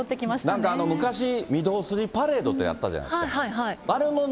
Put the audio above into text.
なんか昔、御堂筋パレードってやったじゃないですか。